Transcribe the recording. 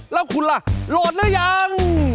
แล้วคุณล่ะโหลดหรือยัง